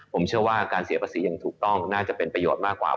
ผมเชื่อว่าการเสียภาษีอย่างถูกต้องน่าจะเป็นประโยชน์มากกว่า